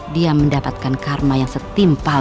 dia mendapatkan karma yang setimpal